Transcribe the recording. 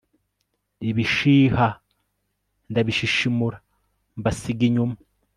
ibishiha ndashishimura mbasiga inyuma